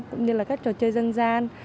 cũng như là các trò chơi dân gian